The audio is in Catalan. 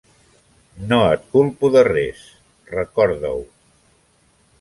No et culpo de res, recorda-ho.